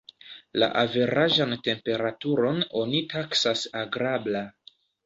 La averaĝan temperaturon oni taksas agrabla.